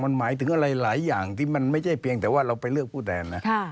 มันหมายถึงอะไรหลายอย่างที่มันไม่ใช่เพียงแต่ว่าเราไปเลือกผู้แทนนะ